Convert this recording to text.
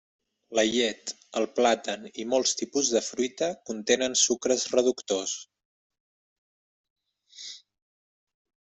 La llet, el plàtan i molts tipus de fruita contenen sucres reductors.